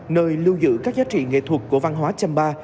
nơi lưu giữ các giá trị nghệ thuật của văn hóa trăm ba